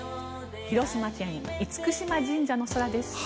広島県・厳島神社の空です。